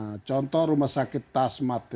nah contoh rumah sakit tasmat